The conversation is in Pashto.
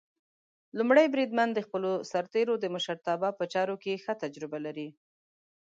لومړی بریدمن د خپلو سرتېرو د مشرتابه په چارو کې ښه تجربه لري.